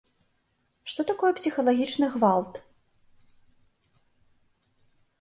Што такое псіхалагічны гвалт?